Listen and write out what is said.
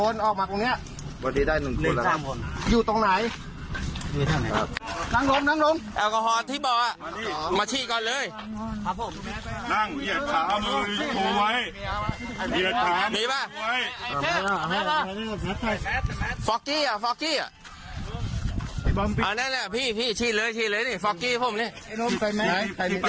นี่ฉีดเลยฉีดเลย